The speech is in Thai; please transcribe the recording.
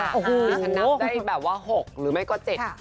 อันนั้นได้แบบว่า๖หรือไม่ก็๗